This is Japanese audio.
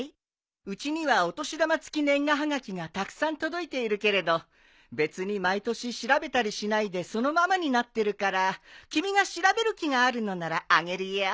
うちにはお年玉付年賀はがきがたくさん届いているけれど別に毎年調べたりしないでそのままになってるから君が調べる気があるのならあげるよ。